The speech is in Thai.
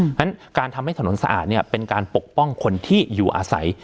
เพราะฉะนั้นการทำให้ถนนสะอาดเป็นการปกป้องคนที่อยู่อาศัย